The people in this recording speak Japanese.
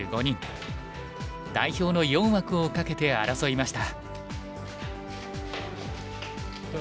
代表の４枠を懸けて争いました。